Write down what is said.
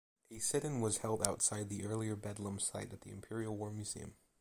A sit-in was held outside the earlier Bedlam site at the Imperial War Museum.